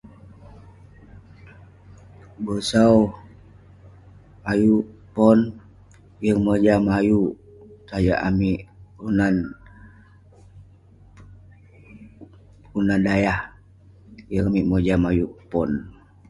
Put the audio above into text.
Bosau ayuk pon, yeng mojam ayuk. Tajak amik Ponan, Ponan Dayah, yeng amik mojam ayuk pon.